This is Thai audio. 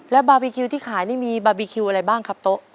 แล้วบาร์บีคิวที่ขายนี่มีบาร์บีคิวอะไรบ้างครับโต๊ะ